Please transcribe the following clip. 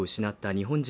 日本人